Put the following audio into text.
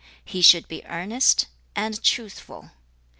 He should be earnest and truthful.